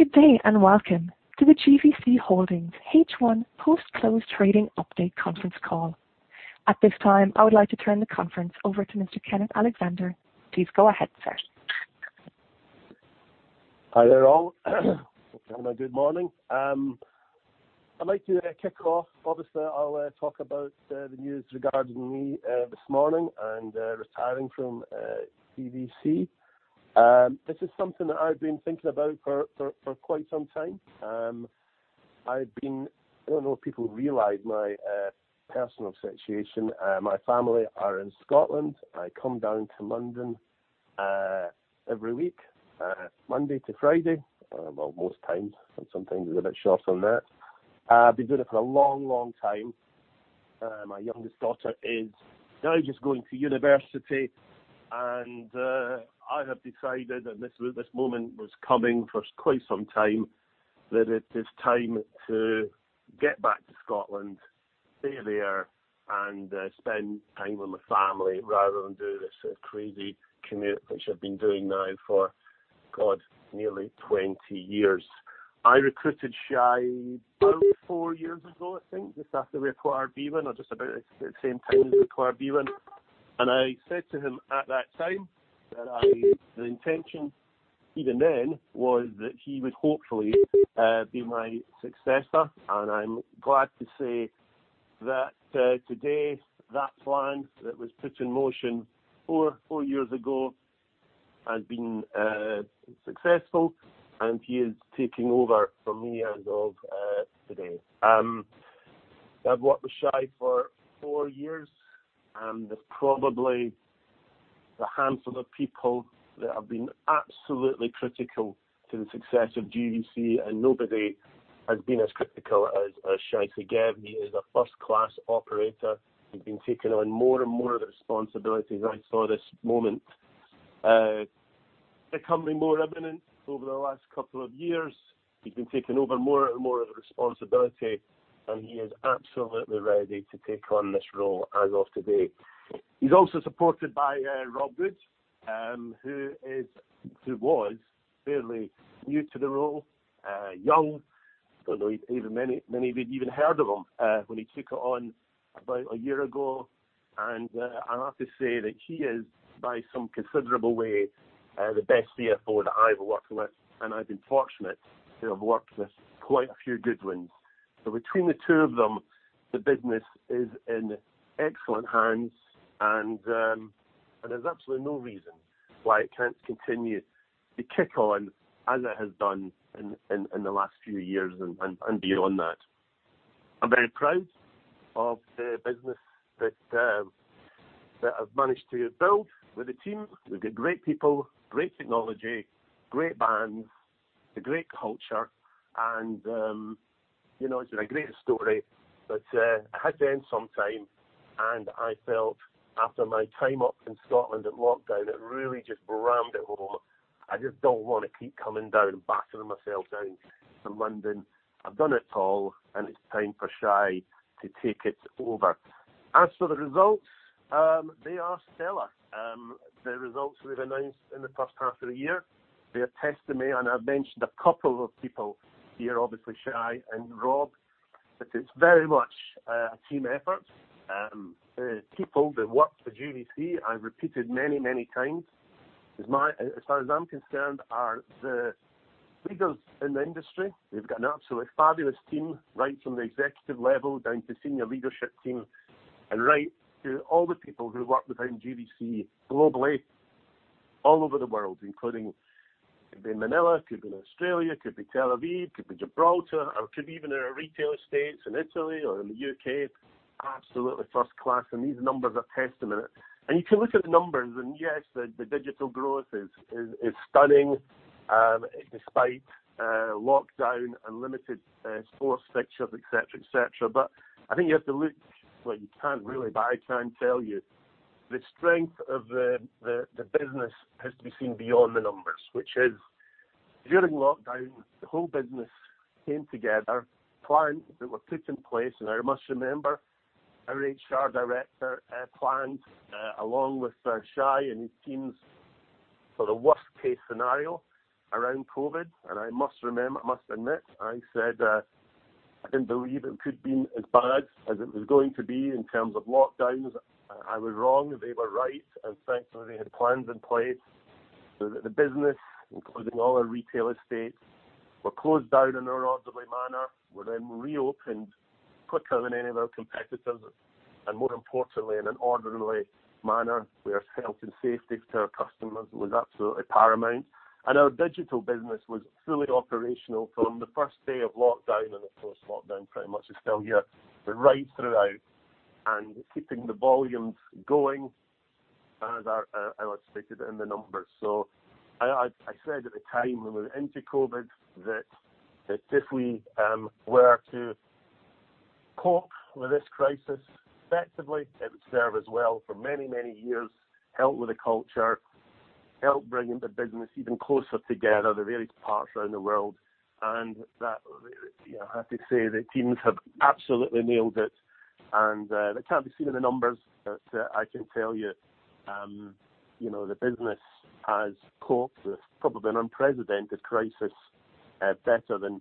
Good day and welcome to the GVC Holdings H1 Post-Close Trading Update Conference call. At this time, I would like to turn the conference over to Mr. Kenneth Alexander. Please go ahead, sir. Hi there, all. Good morning. I'd like to kick off. Obviously, I'll talk about the news regarding me this morning and retiring from GVC. This is something that I've been thinking about for quite some time. I've been—I don't know if people realize my personal situation. My family are in Scotland. I come down to London every week, Monday to Friday, well, most times, but sometimes it's a bit short on that. I've been doing it for a long, long time. My youngest daughter is now just going to university, and I have decided that this moment was coming for quite some time, that it is time to get back to Scotland, stay there, and spend time with my family rather than do this crazy commute which I've been doing now for, God, nearly 20 years. I recruited Shay about four years ago, I think, just after we acquired bwin, or just about at the same time as we acquired bwin. I said to him at that time that I, the intention even then was that he would hopefully be my successor, and I'm glad to say that today that plan that was put in motion four, four years ago has been successful, and he is taking over for me as of today. I've worked with Shay for four years, and there's probably a handful of people that have been absolutely critical to the success of GVC, and nobody has been as critical as Shay Segev. He is a first-class operator. He's been taking on more and more of the responsibilities I saw this moment, becoming more eminent over the last couple of years. He's been taking over more and more of the responsibility, and he is absolutely ready to take on this role as of today. He's also supported by Rob Wood, who was fairly new to the role, young. I don't know if even many of you have even heard of him when he took it on about a year ago, and I have to say that he is, by some considerable way, the best CFO that I've worked with, and I've been fortunate to have worked with quite a few good ones, so between the two of them, the business is in excellent hands, and there's absolutely no reason why it can't continue to kick on as it has done in the last few years and beyond that. I'm very proud of the business that I've managed to build with the team. We've got great people, great technology, great brands, a great culture, and, you know, it's been a great story. But I had to end sometime, and I felt, after my time up in Scotland and lockdown, it really just rammed home. I just don't wanna keep coming down and battering myself down to London. I've done it all, and it's time for Shay to take it over. As for the results, they are stellar. The results we've announced in the first half of the year, they're testament, and I've mentioned a couple of people here, obviously Shay and Rob, but it's very much a team effort. The people that work for GVC, I've repeated many, many times, as far as I'm concerned, are the leaders in the industry. We've got an absolutely fabulous team right from the executive level down to senior leadership team and right to all the people who work within GVC globally, all over the world, including, could be in Manila, could be in Australia, could be Tel Aviv, could be Gibraltar, or could be even in retail estates in Italy or in the U.K. Absolutely first class, and these numbers are testament. And you can look at the numbers, and yes, the digital growth is stunning, despite lockdown and limited sports fixtures, etc., etc. But I think you have to look, well, you can't really, but I can tell you the strength of the business has to be seen beyond the numbers, which is, during lockdown, the whole business came together, plans that were put in place. I must remember our HR director planned, along with Shay and his teams for the worst-case scenario around COVID. I must remember—I must admit. I said I didn't believe it could be as bad as it was going to be in terms of lockdowns. I was wrong. They were right. Thankfully, they had plans in place so that the business, including all our retail estates, were closed down in an orderly manner, were then reopened quicker than any of our competitors, and more importantly, in an orderly manner, we are safe and safe to our customers. It was absolutely paramount. Our digital business was fully operational from the first day of lockdown, and of course, lockdown pretty much is still here, but right throughout, and keeping the volumes going as our—and I've stated it in the numbers. I said at the time when we were into COVID that if we were to cope with this crisis effectively, it would serve us well for many, many years, help with the culture, help bringing the business even closer together, the various parts around the world. And that, you know, I have to say the teams have absolutely nailed it, and that can't be seen in the numbers, but I can tell you, you know, the business has coped with probably an unprecedented crisis, better than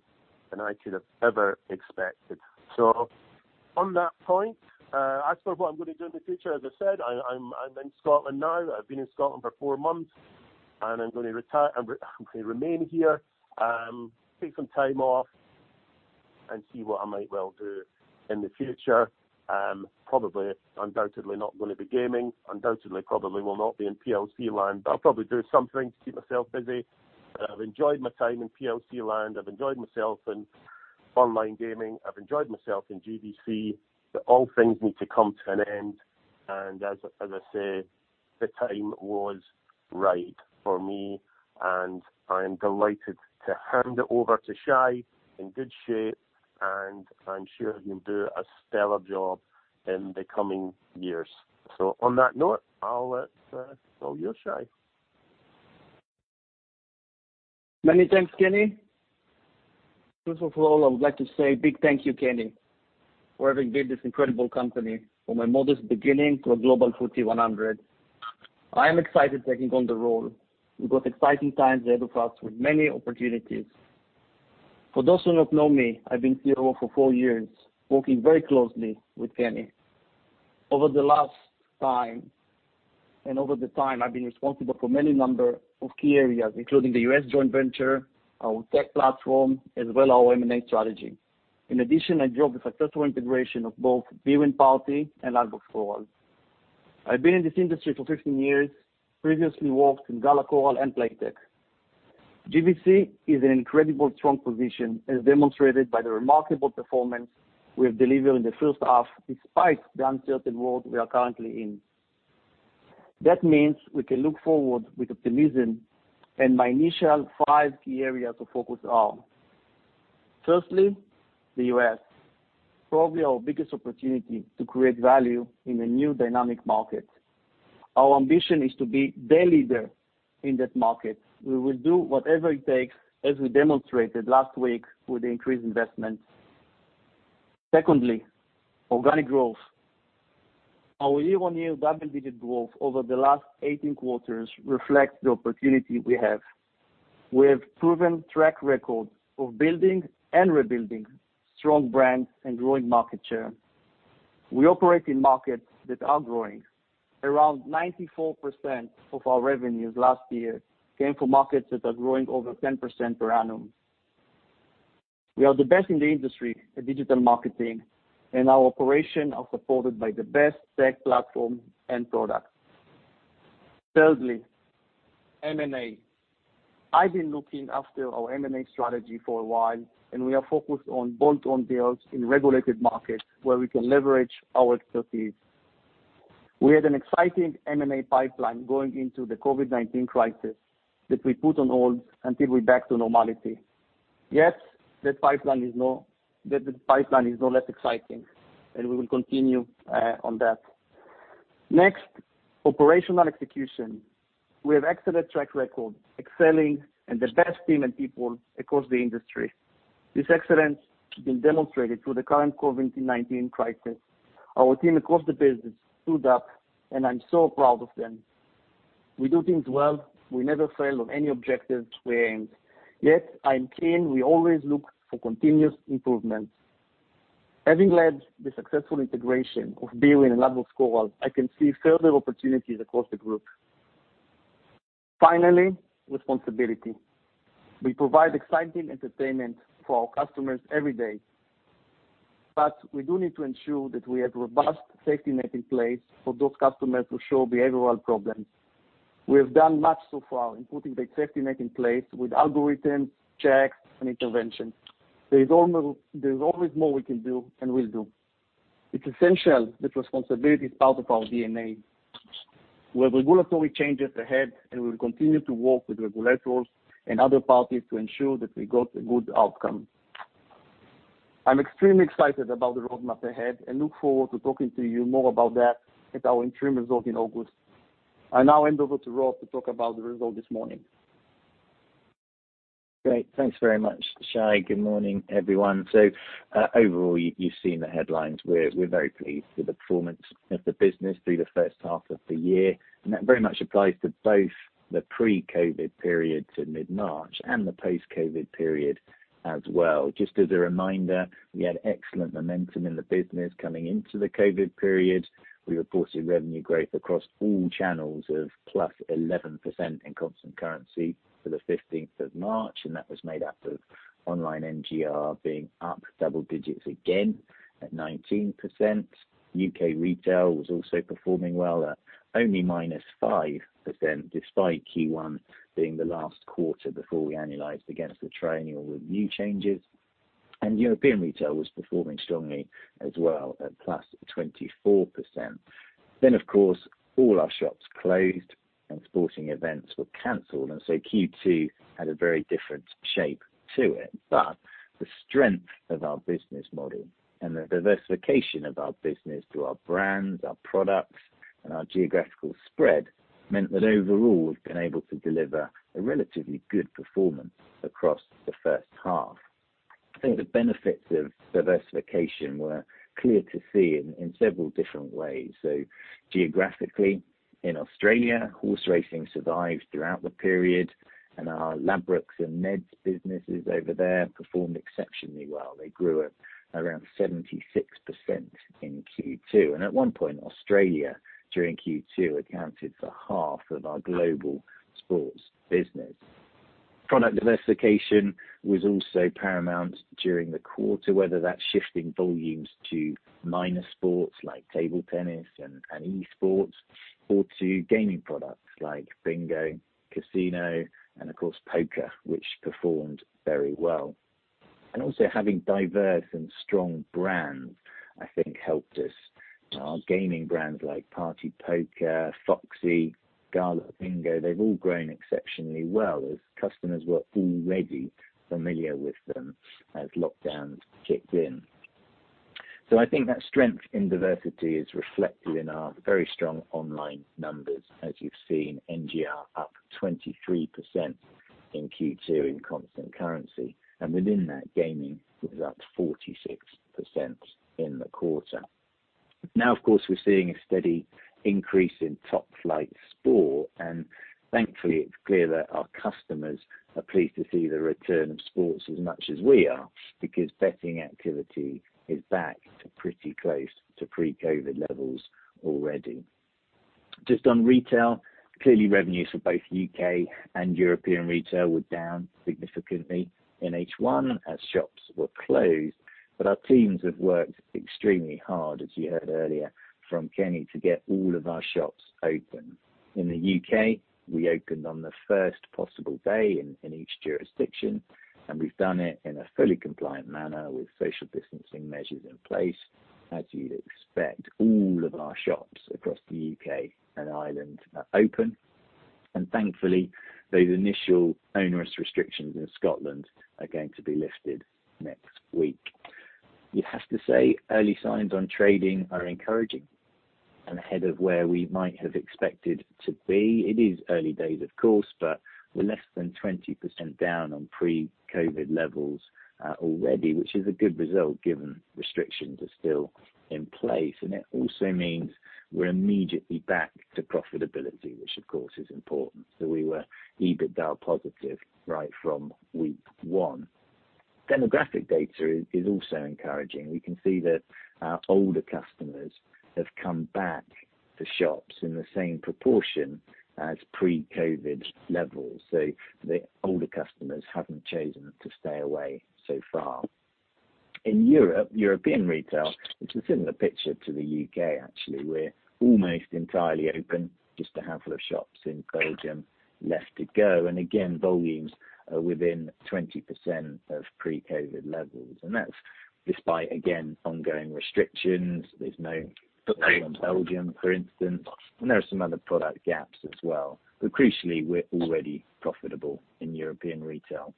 I could have ever expected. So on that point, as for what I'm gonna do in the future, as I said, I'm in Scotland now. I've been in Scotland for four months, and I'm gonna retire. I'm gonna remain here, take some time off, and see what I might well do in the future. Probably, undoubtedly, not gonna be gaming. Undoubtedly, probably will not be in PLC land, but I'll probably do something to keep myself busy. But I've enjoyed my time in PLC land. I've enjoyed myself in online gaming. I've enjoyed myself in GVC, but all things need to come to an end. And as I say, the time was right for me, and I am delighted to hand it over to Shay in good shape, and I'm sure he'll do a stellar job in the coming years. So on that note, I'll throw it over to you, Shay. Many thanks, Kenny. First of all, I would like to say a big thank you, Kenny, for having built this incredible company from a modest beginning to a global FTSE 100. I am excited about taking on the role. We've got exciting times ahead of us with many opportunities. For those who do not know me, I've been COO for four years, working very closely with Kenny. Over the last time and over the time, I've been responsible for a number of key areas, including the U.S. joint venture, our tech platform, as well as our M&A strategy. In addition, I led the successful integration of both bwin.party and Ladbrokes Coral. I've been in this industry for 15 years, previously I worked in Gala Coral and Playtech. GVC is in an incredibly strong position, as demonstrated by the remarkable performance we have delivered in the first half, despite the uncertain world we are currently in. That means we can look forward with optimism, and my initial five key areas of focus are: firstly, the U.S., probably our biggest opportunity to create value in a new dynamic market. Our ambition is to be the leader in that market. We will do whatever it takes, as we demonstrated last week with the increased investment. Secondly, organic growth. Our year-on-year double-digit growth over the last 18 quarters reflects the opportunity we have. We have proven track record of building and rebuilding strong brands and growing market share. We operate in markets that are growing. Around 94% of our revenues last year came from markets that are growing over 10% per annum. We are the best in the industry at digital marketing, and our operation is supported by the best tech platform and product. Thirdly, M&A. I've been looking after our M&A strategy for a while, and we are focused on bolt-on deals in regulated markets where we can leverage our expertise. We had an exciting M&A pipeline going into the COVID-19 crisis that we put on hold until we're back to normality. Yes, that pipeline is no less exciting, and we will continue on that. Next, operational execution. We have excellent track record, excelling, and the best team and people across the industry. This excellence has been demonstrated through the current COVID-19 crisis. Our team across the business stood up, and I'm so proud of them. We do things well. We never fail on any objectives we aim. Yet, I'm keen. We always look for continuous improvements. Having led the successful integration of bwin and Ladbrokes Coral, I can see further opportunities across the group. Finally, responsibility. We provide exciting entertainment for our customers every day, but we do need to ensure that we have a robust safety net in place for those customers who show behavioral problems. We have done much so far in putting that safety net in place with algorithms, checks, and interventions. There's always more we can do and will do. It's essential that responsibility is part of our DNA. We have regulatory changes ahead, and we will continue to work with regulators and other parties to ensure that we got a good outcome. I'm extremely excited about the roadmap ahead and look forward to talking to you more about that at our interim result in August. I now hand over to Rob to talk about the result this morning. Great. Thanks very much, Shay. Good morning, everyone. So, overall, you've seen the headlines. We're very pleased with the performance of the business through the first half of the year, and that very much applies to both the pre-COVID period to mid-March and the post-COVID period as well. Just as a reminder, we had excellent momentum in the business coming into the COVID period. We reported revenue growth across all channels of 11% in constant currency for the 15th of March, and that was made up of online NGR being up double digits again at 19%. U.K. retail was also performing well at only -5%, despite Q1 being the last quarter before we annualized against the Triennial Review changes, and European retail was performing strongly as well at 24%. Then, of course, all our shops closed and sporting events were canceled, and so Q2 had a very different shape to it. But the strength of our business model and the diversification of our business through our brands, our products, and our geographical spread meant that overall we've been able to deliver a relatively good performance across the first half. I think the benefits of diversification were clear to see in several different ways. So geographically, in Australia, horse racing survived throughout the period, and our Ladbrokes and Neds businesses over there performed exceptionally well. They grew at around 76% in Q2. And at one point, Australia during Q2 accounted for half of our global sports business. Product diversification was also paramount during the quarter, whether that's shifting volumes to minor sports like table tennis and esports, or to gaming products like bingo, casino, and of course, poker, which performed very well. Also, having diverse and strong brands, I think, helped us. Our gaming brands like PartyPoker, Foxy, Gala Bingo, they've all grown exceptionally well as customers were already familiar with them as lockdowns kicked in. I think that strength in diversity is reflected in our very strong online numbers, as you've seen, NGR up 23% in Q2 in constant currency. Within that, gaming was up 46% in the quarter. Now, of course, we're seeing a steady increase in top-flight sport, and thankfully, it's clear that our customers are pleased to see the return of sports as much as we are because betting activity is back to pretty close to pre-COVID levels already. Just on retail, clearly, revenues for both U.K. and European retail were down significantly in H1 as shops were closed, but our teams have worked extremely hard, as you heard earlier from Kenny, to get all of our shops open. In the U.K., we opened on the first possible day in each jurisdiction, and we've done it in a fully compliant manner with social distancing measures in place, as you'd expect. All of our shops across the U.K. and Ireland are open, and thankfully, those initial onerous restrictions in Scotland are going to be lifted next week. You have to say early signs on trading are encouraging and ahead of where we might have expected to be. It is early days, of course, but we're less than 20% down on pre-COVID levels, already, which is a good result given restrictions are still in place, and it also means we're immediately back to profitability, which, of course, is important, so we were EBITDA positive right from week one. Demographic data is also encouraging. We can see that our older customers have come back to shops in the same proportion as pre-COVID levels, so the older customers haven't chosen to stay away so far. In Europe, European retail, it's a similar picture to the U.K., actually. We're almost entirely open, just a handful of shops in Belgium left to go, and again, volumes are within 20% of pre-COVID levels, and that's despite, again, ongoing restrictions. There's no footprint in Belgium, for instance, and there are some other product gaps as well. But crucially, we're already profitable in European retail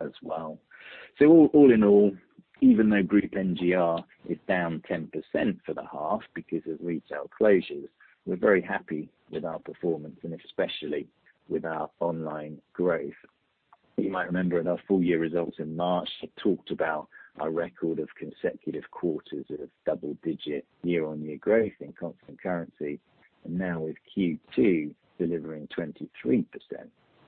as well. So all in all, even though group NGR is down 10% for the half because of retail closures, we're very happy with our performance and especially with our online growth. You might remember at our full-year results in March, I talked about our record of consecutive quarters of double-digit year-on-year growth in constant currency. And now, with Q2 delivering 23%,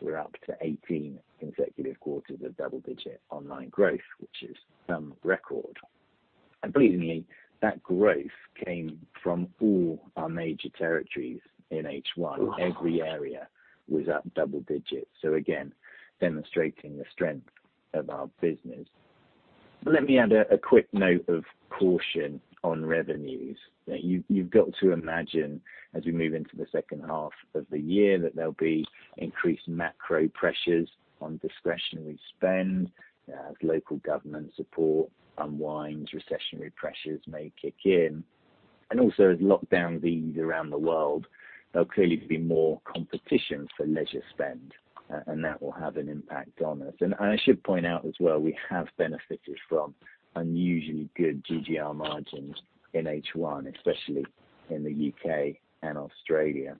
we're up to 18 consecutive quarters of double-digit online growth, which is some record. And pleasingly, that growth came from all our major territories in H1. Every area was at double digits. So again, demonstrating the strength of our business. Let me add a quick note of caution on revenues. You've got to imagine, as we move into the second half of the year, that there'll be increased macro pressures on discretionary spend as local government support unwinds, recessionary pressures may kick in. And also, as lockdowns ease around the world, there'll clearly be more competition for leisure spend, and that will have an impact on us. And I should point out as well, we have benefited from unusually good GGR margins in H1, especially in the U.K. and Australia.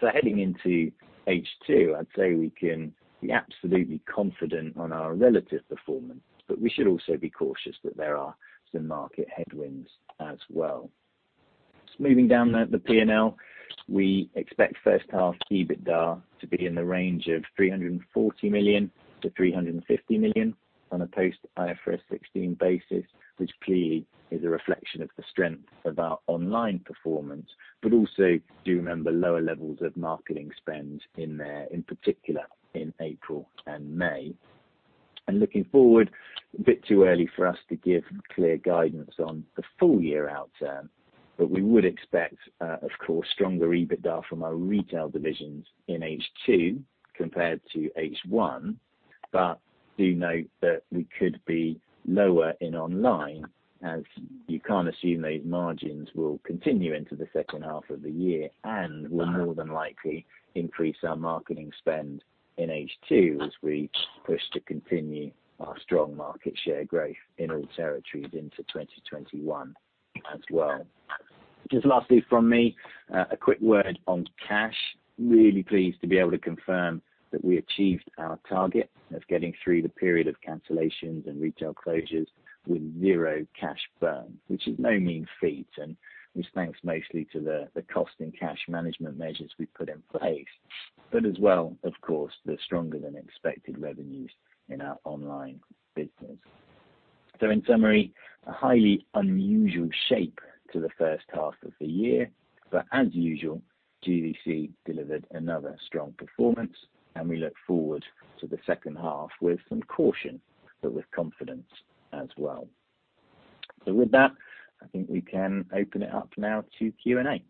So heading into H2, I'd say we can be absolutely confident on our relative performance, but we should also be cautious that there are some market headwinds as well. Moving down the P&L, we expect first half EBITDA to be in the range of 340 million-350 million on a post-IFRS 16 basis, which clearly is a reflection of the strength of our online performance, but also do remember lower levels of marketing spend in there, in particular in April and May, and looking forward, a bit too early for us to give clear guidance on the full-year outcome, but we would expect, of course, stronger EBITDA from our retail divisions in H2 compared to H1, but do note that we could be lower in online as you can't assume those margins will continue into the second half of the year and will more than likely increase our marketing spend in H2 as we push to continue our strong market share growth in all territories into 2021 as well. Just lastly from me, a quick word on cash. Really pleased to be able to confirm that we achieved our target of getting through the period of cancellations and retail closures with zero cash burn, which is no mean feat, and which thanks mostly to the cost and cash management measures we've put in place. But as well, of course, the stronger-than-expected revenues in our online business. So in summary, a highly unusual shape to the first half of the year, but as usual, GVC delivered another strong performance, and we look forward to the second half with some caution but with confidence as well. So with that, I think we can open it up now to Q&A.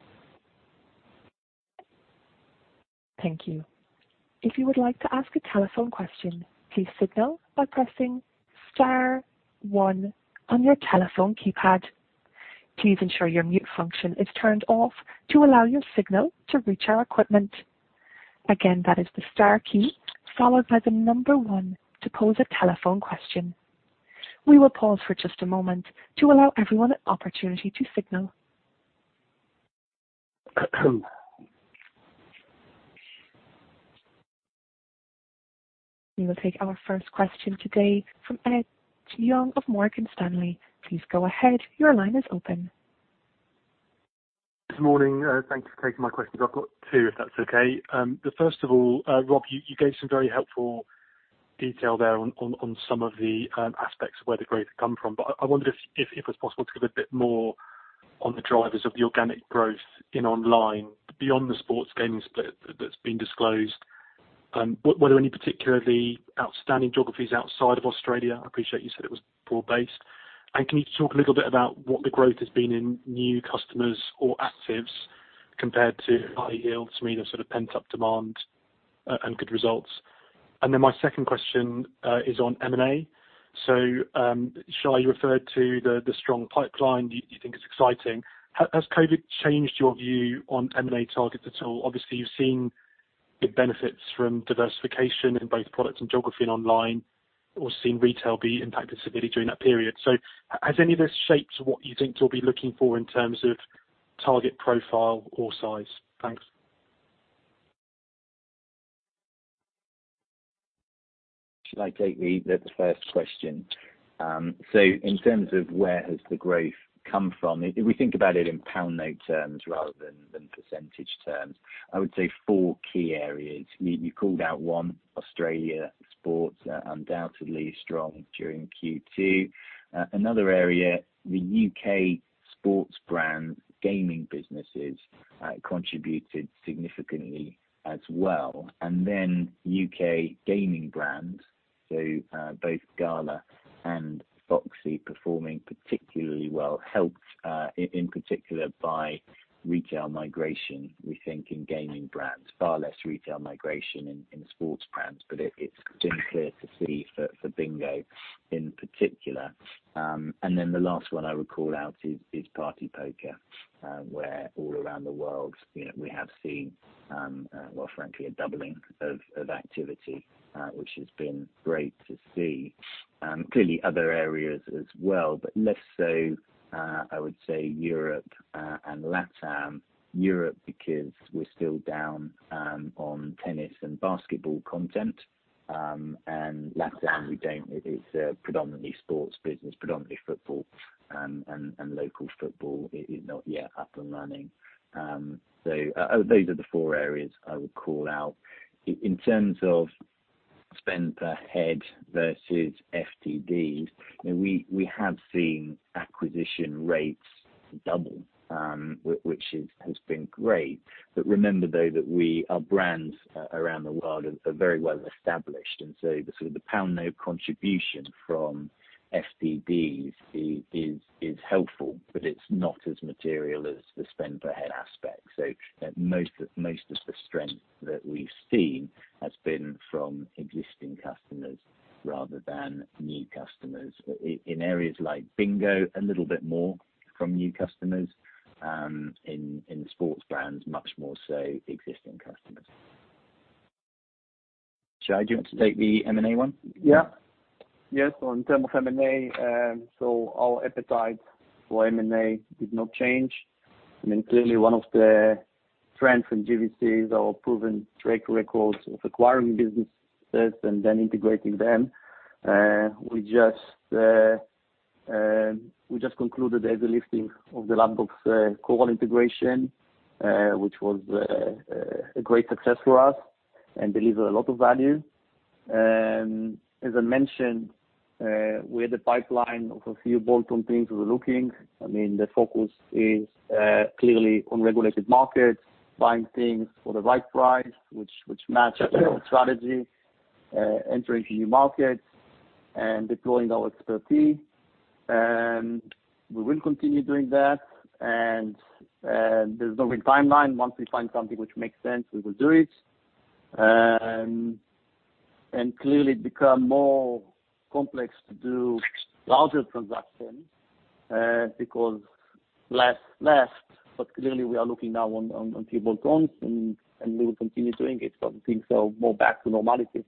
Thank you. If you would like to ask a telephone question, please signal by pressing star one on your telephone keypad. Please ensure your mute function is turned off to allow your signal to reach our equipment. Again, that is the star key followed by the number one to pose a telephone question. We will pause for just a moment to allow everyone an opportunity to signal. We will take our first question today from Ed Young of Morgan Stanley. Please go ahead. Your line is open. Good morning. Thanks for taking my questions. I've got two, if that's okay. The first of all, Rob, you gave some very helpful detail there on some of the aspects of where the growth had come from, but I wondered if it was possible to give a bit more on the drivers of the organic growth in online beyond the sports gaming split that's been disclosed. Were there any particularly outstanding geographies outside of Australia? I appreciate you said it was broad-based. And can you talk a little bit about what the growth has been in new customers or assets compared to high yield? To me, they've sort of pent up demand, and good results. And then my second question is on M&A. So, Shay, you referred to the strong pipeline you think is exciting. Has COVID changed your view on M&A targets at all? Obviously, you've seen good benefits from diversification in both products and geography and online, or seen retail be impacted severely during that period. So has any of this shaped what you think you'll be looking for in terms of target profile or size? Thanks. Should I take the first question? In terms of where has the growth come from, if we think about it in pound-notes terms rather than percentage terms, I would say four key areas. You called out one, Australia sports, undoubtedly strong during Q2. Another area, the U.K. sports brand gaming businesses, contributed significantly as well. Then U.K. gaming brands, so both Gala and Foxy performing particularly well helped, in particular by retail migration, we think, in gaming brands. Far less retail migration in sports brands, but it's been clear to see for Bingo in particular. Then the last one I would call out is PartyPoker, where all around the world, you know, we have seen, well, frankly, a doubling of activity, which has been great to see. Clearly other areas as well, but less so, I would say Europe, and LATAM. Europe because we're still down on tennis and basketball content. And LATAM, we don't it, it's predominantly sports business, predominantly football, and local football is not yet up and running. So those are the four areas I would call out. In terms of spend per head versus FTD, you know, we have seen acquisition rates double, which has been great. But remember, though, that our brands around the world are very well established, and so the sort of pound-notes contribution from FTD is helpful, but it's not as material as the spend-per-head aspect. So most of the strength that we've seen has been from existing customers rather than new customers. In areas like Bingo, a little bit more from new customers. In sports brands, much more so existing customers. Shay, do you want to take the M&A one? Yeah. Yes. In terms of M&A, our appetite for M&A did not change. I mean, clearly, one of the strengths in GVC is our proven track record of acquiring businesses and then integrating them. We just concluded the Ladbrokes Coral integration, which was a great success for us and delivered a lot of value. As I mentioned, we had a pipeline of a few bolt-on things we were looking. I mean, the focus is clearly on regulated markets, buying things for the right price, which match our strategy, entering new markets and deploying our expertise. We will continue doing that, and there's no big timeline. Once we find something which makes sense, we will do it. Clearly, it becomes more complex to do larger transactions, because less left, but clearly, we are looking now on a few bolt-ons, and we will continue doing it, but I think we're more back to normality.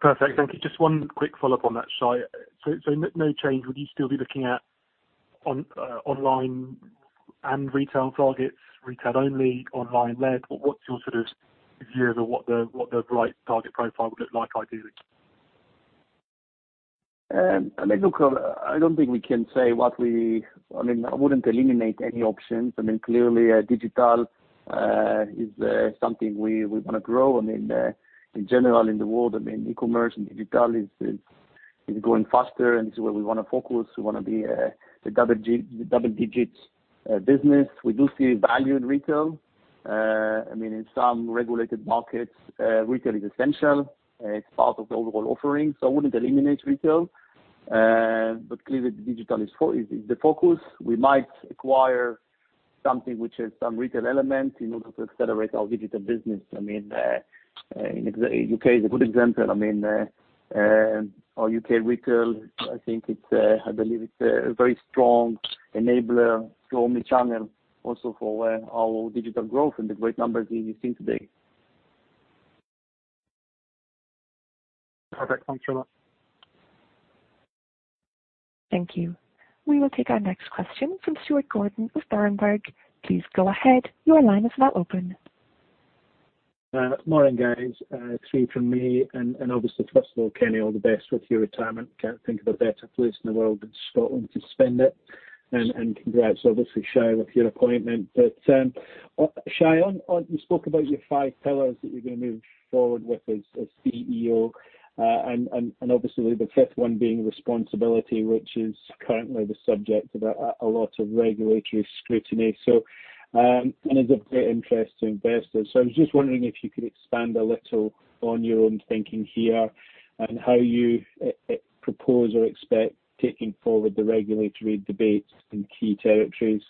Perfect. Thank you. Just one quick follow-up on that, Shay. So, no change. Would you still be looking at online and retail targets, retail-only, online-led? What's your sort of view of what the right target profile would look like ideally? I mean, look, I don't think we can say. I mean, I wouldn't eliminate any options. I mean, clearly, digital is something we wanna grow. I mean, in general, in the world, I mean, e-commerce and digital is going faster, and this is where we wanna focus. We wanna be a double-digit business. We do see value in retail. I mean, in some regulated markets, retail is essential. It's part of the overall offering. So I wouldn't eliminate retail, but clearly, the digital is the focus. We might acquire something which has some retail element in order to accelerate our digital business. I mean, for example, U.K. is a good example. I mean, our U.K. retail, I think it's, I believe it's a very strong enabler, strongly channeled also for our digital growth and the great numbers you've seen today. Perfect. Thanks for that. Thank you. We will take our next question from Stuart Gordon of Berenberg. Please go ahead. Your line is now open. Morning, guys. Three from me. Obviously, first of all, Kenny, all the best with your retirement. Can't think of a better place in the world than Scotland to spend it. Congrats, obviously, Shay, with your appointment. Shay, you spoke about your five pillars that you're gonna move forward with as CEO, and obviously, the fifth one being responsibility, which is currently the subject of a lot of regulatory scrutiny. It's a very interesting business. I was just wondering if you could expand a little on your own thinking here and how you propose or expect taking forward the regulatory debates in key territories.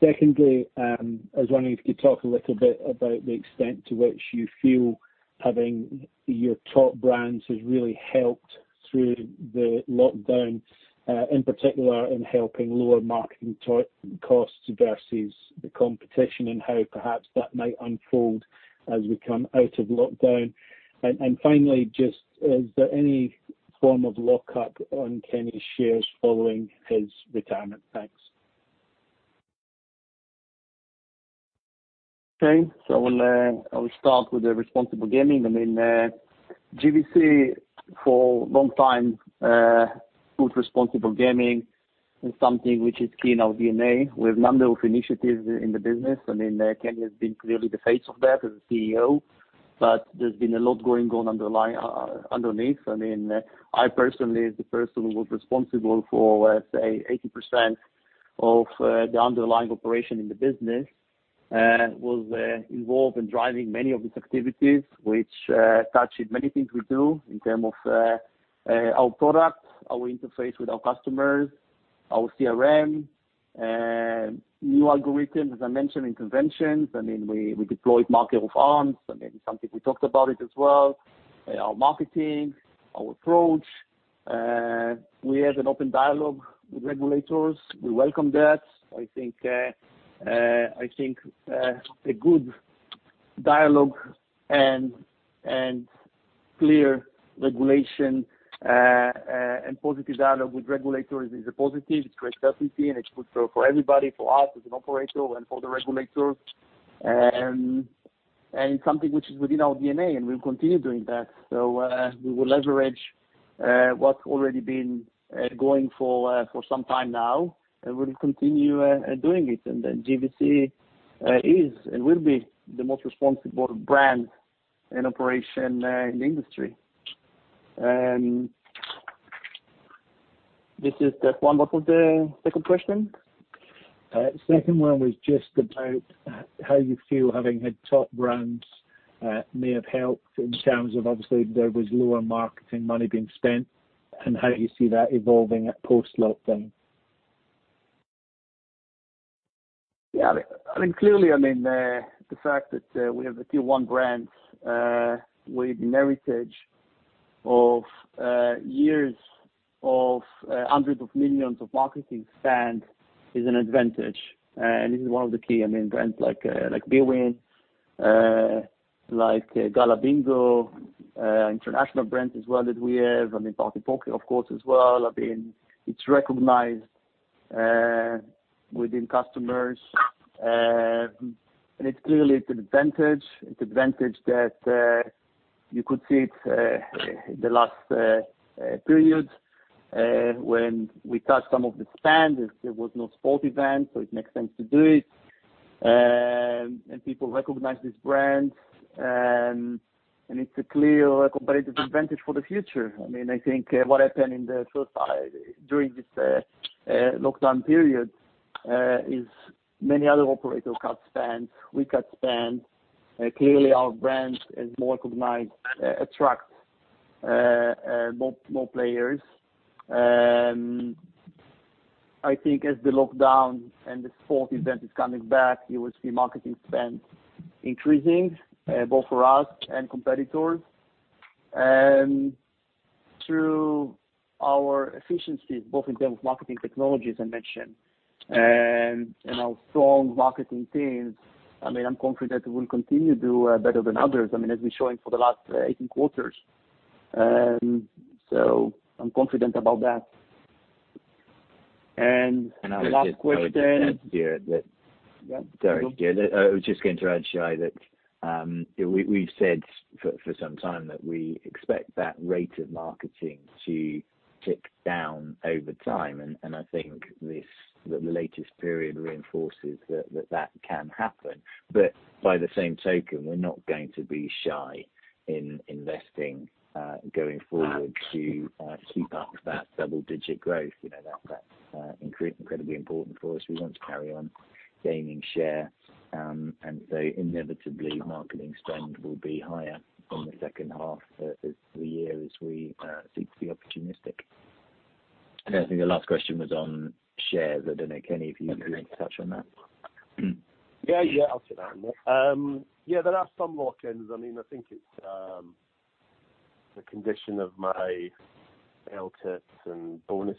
Secondly, I was wondering if you could talk a little bit about the extent to which you feel having your top brands has really helped through the lockdown, in particular in helping lower marketing to costs versus the competition and how perhaps that might unfold as we come out of lockdown. And finally, just, is there any form of lock-up on Kenny's shares following his retirement? Thanks. Okay. So I will start with the responsible gaming. I mean, GVC for a long time put responsible gaming as something which is key in our D&A. We have a number of initiatives in the business. I mean, Kenny has been clearly the face of that as a CEO, but there's been a lot going on underneath. I mean, I personally as the person who was responsible for, say, 80% of the underlying operation in the business, was involved in driving many of these activities, which touched many things we do in terms of our product, our interface with our customers, our CRM, new algorithms, as I mentioned, interventions. I mean, we deployed a raft of measures. I mean, something we talked about as well, our marketing, our approach. We have an open dialogue with regulators. We welcome that. I think a good dialogue and clear regulation and positive dialogue with regulators is a positive. It creates certainty, and it's good for everybody, for us as an operator and for the regulators, and it's something which is within our D&A, and we'll continue doing that, so we will leverage what's already been going for some time now, and we'll continue doing it, and then GVC is and will be the most responsible brand and operation in the industry. This is the one. What was the second question? Second one was just about how you feel having had top brands may have helped in terms of, obviously, there was lower marketing money being spent and how you see that evolving post-lockdown. Yeah. I mean, I mean, clearly, I mean, the fact that we have the Tier 1 brands with a heritage of years of hundreds of millions of marketing spend is an advantage. This is one of the key, I mean, brands like Bwin, like Gala Bingo, international brands as well that we have. I mean, PartyPoker, of course, as well. I mean, it's recognized within customers. It's clearly to the advantage. It's an advantage that you could see it in the last period when we touched some of the spend. If there was no sport event, so it makes sense to do it. People recognize these brands. It's a clear competitive advantage for the future. I mean, I think what happened in the first during this lockdown period is many other operators cut spend. We cut spend. Clearly, our brand is more recognized, attracts more players. I think as the lockdown and the sport event is coming back, you will see marketing spend increasing, both for us and competitors. Through our efficiencies, both in terms of marketing technologies I mentioned, and our strong marketing teams, I mean, I'm confident we'll continue to do better than others. I mean, as we've shown for the last 18 quarters, so I'm confident about that, and the last question. I was just gonna say, Stuart, that. Yeah? Sorry, Stuart. I was just gonna interrupt Shay that, you know, we, we've said for some time that we expect that rate of marketing to tick down over time. And I think that the latest period reinforces that that can happen. But by the same token, we're not going to be shy in investing, going forward. Yeah. To keep up that double-digit growth. You know, that incredibly important for us. We want to carry on gaining share. And so inevitably, marketing spend will be higher in the second half of the year as we seem to be opportunistic. And I think the last question was on shares. I don't know if any of you would like to touch on that. Yeah. Yeah. I'll take that one. Yeah, there are some lock-ins. I mean, I think it's the condition of my LTIPs and bonus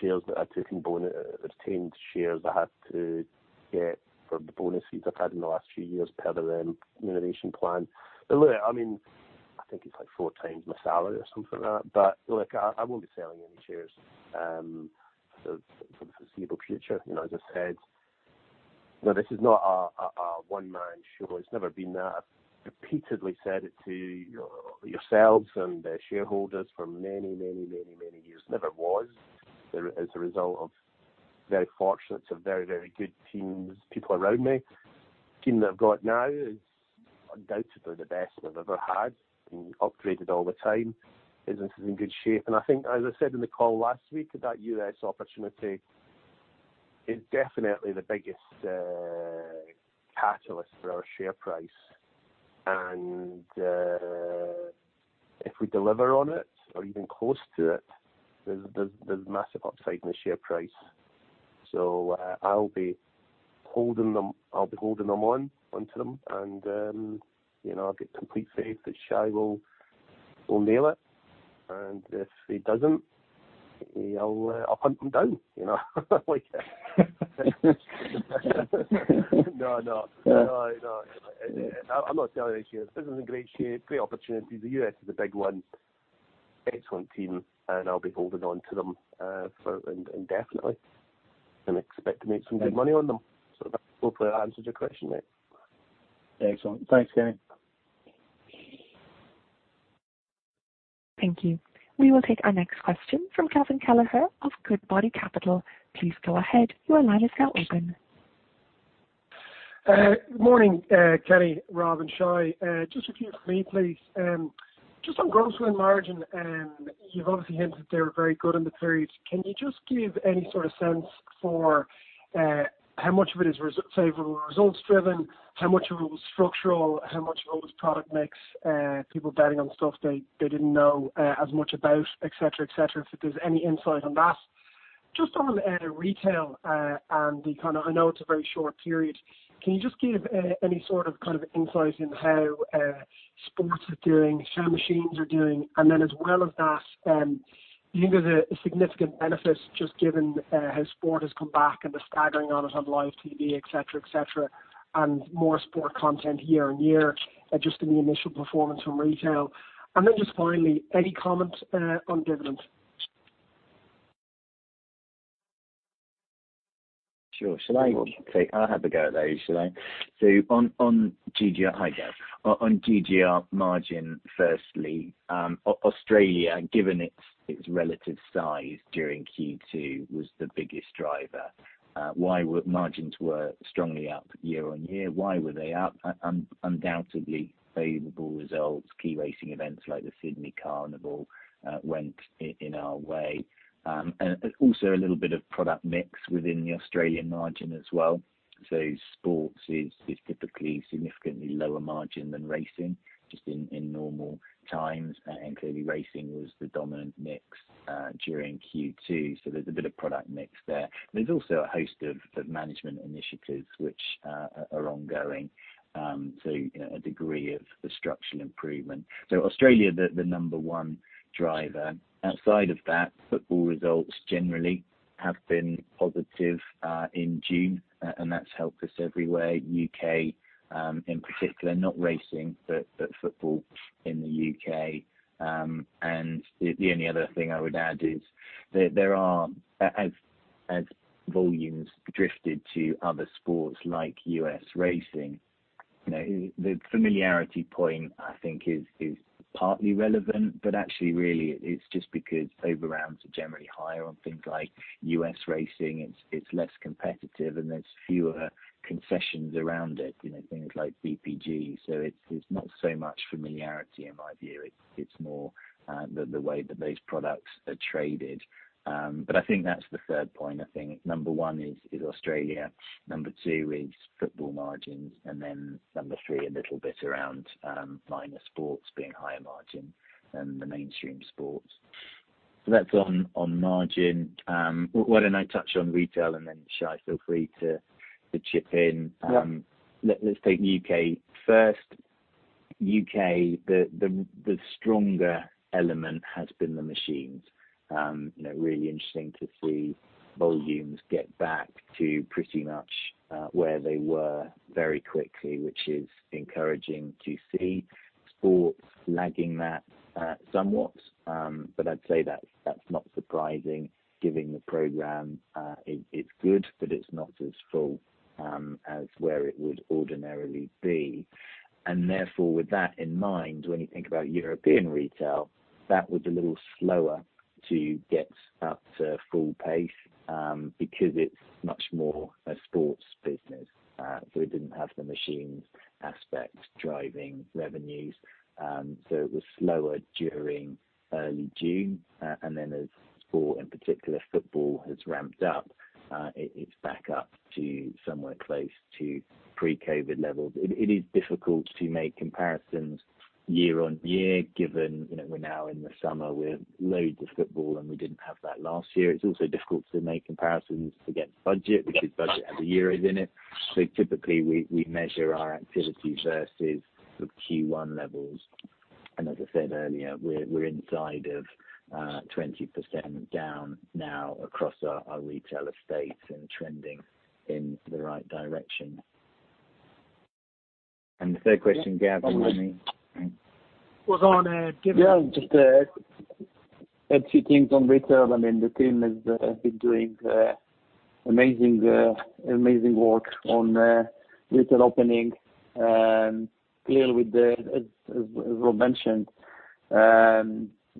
shares that I took in, bonus obtained shares I had to get for the bonuses I've had in the last few years per the incentive plan. But look, I mean, I think it's like four times my salary or something like that. But look, I won't be selling any shares for the foreseeable future. You know, as I said, you know, this is not a one-man show. It's never been that. I've repeatedly said it to yourselves and the shareholders for many, many, many, many years. It never was. It's the result of me being very fortunate to have very, very good teams, people around me. The team that I've got now is undoubtedly the best I've ever had. It's been upgraded all the time. Business is in good shape. I think, as I said in the call last week, that U.S. opportunity is definitely the biggest catalyst for our share price. If we deliver on it or even close to it, there's massive upside in the share price. I'll be holding onto them. You know, I'll be completely safe that Shay will nail it. If he doesn't, he'll. I'll hunt them down, you know, like, no, no. No, no. I'm not selling any shares. Business is in great shape. Great opportunities. The U.S. is a big one. Excellent team. I'll be holding onto them indefinitely. Expect to make some good money on them. That hopefully answers your question, mate. Excellent. Thanks, Kenny. Thank you. We will take our next question from Gavin Kelleher of Goodbody Capital. Please go ahead. Your line is now open. Good morning, Kenny, rather than Shay. Just a few for me, please. Just on gross win margin, you've obviously hinted they were very good in the period. Can you just give any sort of sense for how much of it is results-driven, so if it were results-driven, how much of it was structural, how much of it was product mix, people betting on stuff they, they didn't know as much about, etc., etc.? If there's any insight on that. Just on retail, and the kind of. I know it's a very short period. Can you just give any sort of kind of insight into how sports are doing, SSBT machines are doing, and then as well as that, do you think there's a significant benefit just given how sport has come back and the betting on it on live TV, etc., etc., and more sport content year on year, just in the initial performance from retail? And then just finally, any comment on dividends? Sure. Shall I take that? I'll have a go at that issue, though. On GGR, hi Gav. On GGR margin firstly, Australia, given its relative size during Q2, was the biggest driver why margins were strongly up year on year. Why were they up? Undoubtedly, favorable results. Key racing events like the Sydney Carnival went in our way. And also a little bit of product mix within the Australian margin as well. Sports is typically significantly lower margin than racing just in normal times. And clearly, racing was the dominant mix during Q2. There's a bit of product mix there. There's also a host of management initiatives which are ongoing to you know a degree of structural improvement. Australia, the number one driver. Outside of that, football results generally have been positive in June. That's helped us everywhere, U.K. in particular, not racing but football in the U.K. The only other thing I would add is there are, as volumes drifted to other sports like U.S. racing. You know, the familiarity point I think is partly relevant, but actually it's just because over-rounds are generally higher on things like U.S. racing. It's less competitive and there's fewer concessions around it, you know, things like BPG. So it's not so much familiarity in my view. It's more the way that those products are traded, but I think that's the third point. I think number one is Australia. Number two is football margins. Then number three, a little bit around minor sports being higher margin than the mainstream sports. So that's on margin. Why don't I touch on retail and then Shay, feel free to chip in. Yeah. Let's take U.K. first. U.K., the stronger element has been the machines. You know, really interesting to see volumes get back to pretty much where they were very quickly, which is encouraging to see. Sports lagging that, somewhat. But I'd say that's not surprising given the program. It's good, but it's not as full as where it would ordinarily be. And therefore, with that in mind, when you think about European retail, that was a little slower to get up to full pace, because it's much more a sports business. So it didn't have the machines aspect driving revenues. So it was slower during early June. And then as sport, in particular, football has ramped up, it's back up to somewhere close to pre-COVID levels. It is difficult to make comparisons year on year given, you know, we're now in the summer with loads of football and we didn't have that last year. It's also difficult to make comparisons against budget, which is budget has a euro in it. So typically, we measure our activity versus the Q1 levels. And as I said earlier, we're inside of 20% down now across our retail estates and trending in the right direction. And the third question, Gav, you want me? Was on, given. Yeah. Just add two things on retail. I mean, the team has been doing amazing work on retail opening. Clearly with the, as Rob mentioned, I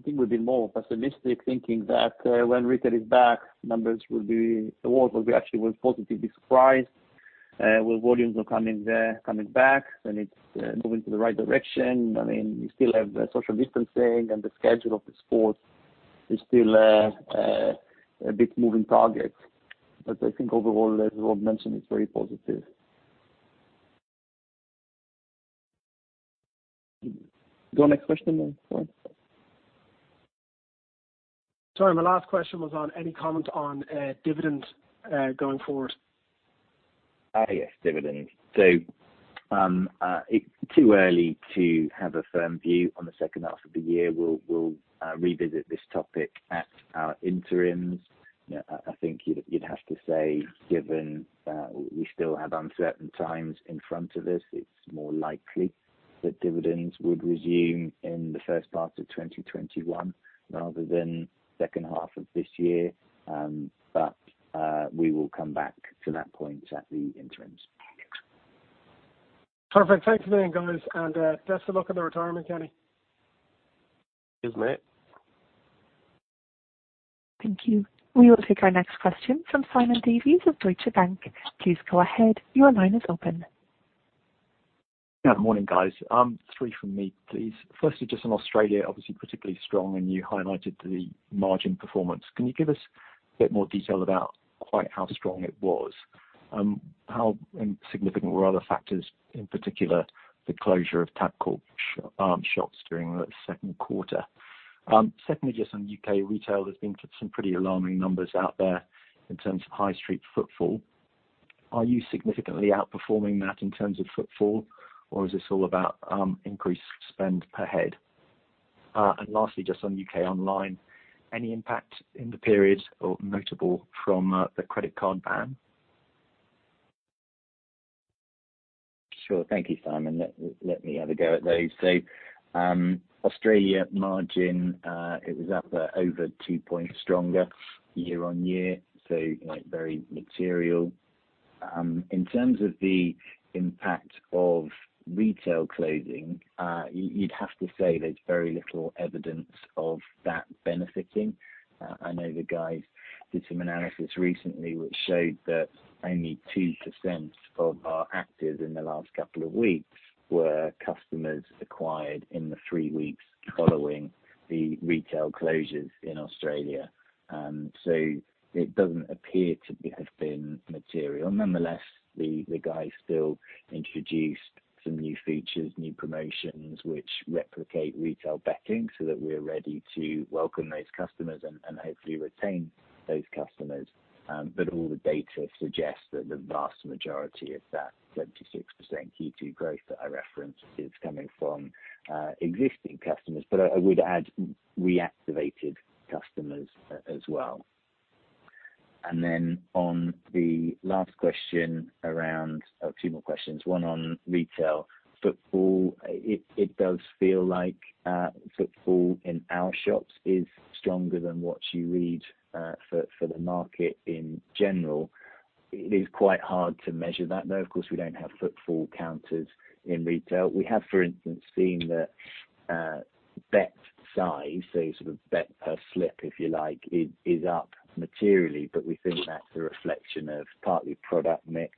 think we've been more pessimistic thinking that, when retail is back, numbers will be awful will actually positively surprise. Well, volumes are coming back and it's moving to the right direction. I mean, we still have social distancing and the schedule of the sports is still a bit moving targets. But I think overall, as Rob mentioned, it's very positive. Go on, next question then. Sorry. Sorry. My last question was on any comment on dividends going forward. Yes. Dividends. It's too early to have a firm view on the second half of the year. We'll revisit this topic at our interims. You know, I think you'd have to say, given we still have uncertain times in front of us, it's more likely that dividends would resume in the first part of 2021 rather than second half of this year, but we will come back to that point at the interims. Perfect. Thanks a million, guys. And best of luck on the retirement, Kenny. Cheers, mate. Thank you. We will take our next question from Simon Davies of Deutsche Bank. Please go ahead. Your line is open. Yeah. Morning, guys. Three from me, please. Firstly, just on Australia, obviously particularly strong and you highlighted the margin performance. Can you give us a bit more detail about quite how strong it was? How significant were other factors, in particular, the closure of Tabcorp shops during the second quarter? Secondly, just on U.K. retail, there's been some pretty alarming numbers out there in terms of high street footfall. Are you significantly outperforming that in terms of footfall, or is this all about increased spend per head? And lastly, just on U.K. online, any impact in the period or notable from the credit card ban? Sure. Thank you, Simon. Let me have a go at those. So, Australia margin, it was up over two points stronger year on year. So, you know, very material. In terms of the impact of retail closing, you'd have to say there's very little evidence of that benefiting. I know the guys did some analysis recently which showed that only 2% of our active in the last couple of weeks were customers acquired in the three weeks following the retail closures in Australia. So it doesn't appear to have been material. Nonetheless, the guys still introduced some new features, new promotions which replicate retail betting so that we're ready to welcome those customers and hopefully retain those customers. But all the data suggests that the vast majority of that 76% Q2 growth that I referenced is coming from existing customers. But I would add reactivated customers as well. Then on the last question around a few more questions, one on retail footfall, it does feel like footfall in our shops is stronger than what you read for the market in general. It is quite hard to measure that, though. Of course, we don't have footfall counters in retail. We have, for instance, seen that bet size, so sort of bet per slip, if you like, is up materially. But we think that's a reflection of partly product mix,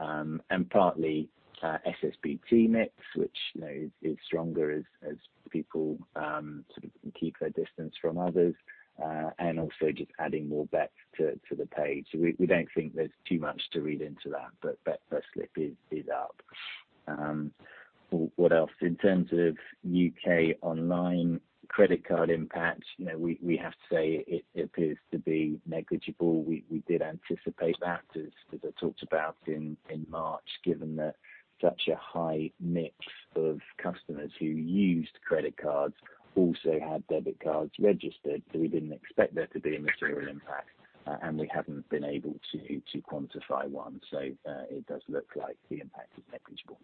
and partly SSBT mix, which you know is stronger as people sort of keep their distance from others, and also just adding more bets to the page. So we don't think there's too much to read into that. But bet per slip is up. What else? In terms of U.K. online credit card impact, you know, we have to say it, it appears to be negligible. We did anticipate that as I talked about in March, given that such a high mix of customers who used credit cards also had debit cards registered. So we didn't expect there to be a material impact, and we haven't been able to quantify one. So, it does look like the impact is negligible.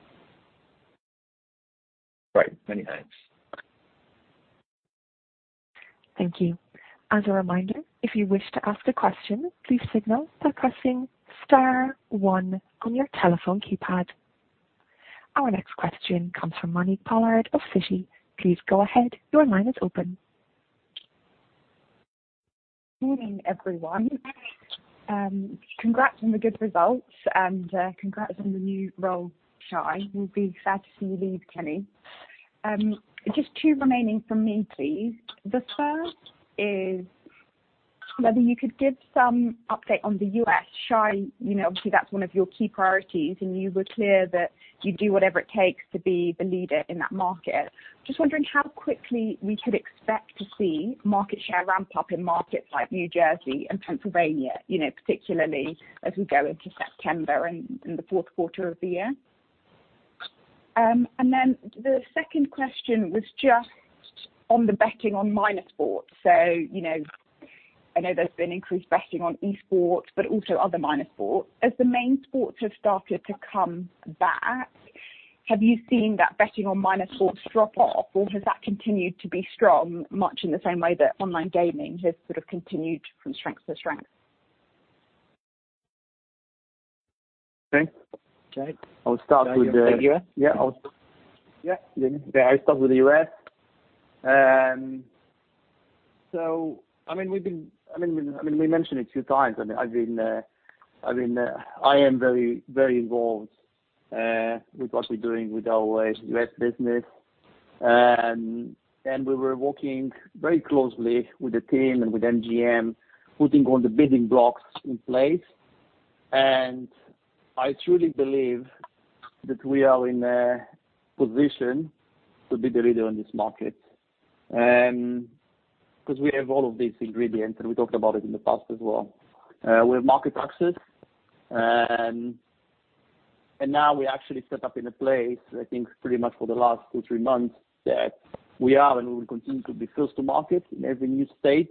Right. Many thanks. Thank you. As a reminder, if you wish to ask a question, please signal by pressing star one on your telephone keypad. Our next question comes from Monique Pollard of Citigroup. Please go ahead. Your line is open. Good evening, everyone. Congrats on the good results and congrats on the new role, Shay. We'll be sad to see you leave, Kenny. Just two remaining from me, please. The first is whether you could give some update on the U.S. Shay, you know, obviously that's one of your key priorities and you were clear that you'd do whatever it takes to be the leader in that market. Just wondering how quickly we could expect to see market share ramp up in markets like New Jersey and Pennsylvania, you know, particularly as we go into September and the fourth quarter of the year, and then the second question was just on the betting on minor sports. So, you know, I know there's been increased betting on esports but also other minor sports. As the main sports have started to come back, have you seen that betting on minor sports drop off, or has that continued to be strong much in the same way that online gaming has sort of continued from strength to strength? Okay. Okay. I'll start with, U.S.? Yeah. I'll. Yeah. Yeah. I'll start with the U.S., so I mean, we've mentioned it a few times. I mean, I've been. I am very, very involved with what we're doing with our U.S. business, and we were working very closely with the team and with MGM, putting all the building blocks in place, and I truly believe that we are in a position to be the leader in this market, 'cause we have all of these ingredients, and we talked about it in the past as well. We have market access, and now we actually set up in a place, I think, pretty much for the last two, three months, that we are and we will continue to be first to market in every new state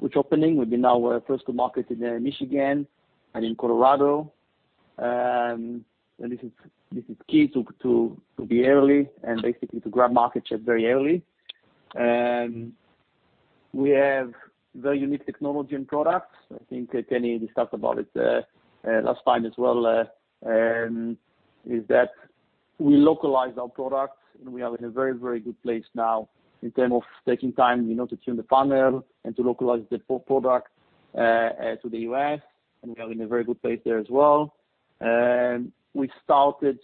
which opening. We've been first to market in Michigan and in Colorado. And this is key to be early and basically to grab market share very early. We have very unique technology and products. I think Kenny discussed about it last time as well, is that we localize our products and we are in a very good place now in terms of taking time, you know, to tune the funnel and to localize the product to the US. And we are in a very good place there as well. We started